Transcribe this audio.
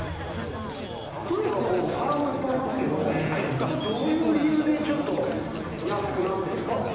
例えばお皿もいっぱいありますけど、これ、どういう理由で安くなってるんですか？